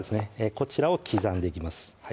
こちらを刻んでいきます